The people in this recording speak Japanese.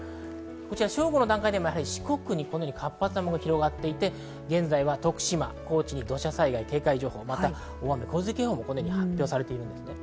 正午の段階で四国にこのように活発な雨雲が広がっていて、現在は徳島、高知に土砂災害警戒情報、また洪水警報も発表されています。